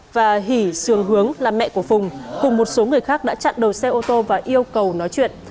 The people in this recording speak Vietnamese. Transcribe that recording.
và hỷ sườn hướng là mẹ của phùng cùng một số người khác đã chặn đầu xe ô tô và yêu cầu nói chuyện